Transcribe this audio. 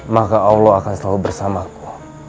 maka allah akan selalu bersamaku